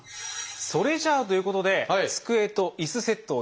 それじゃあということで机と椅子セットを用意しました。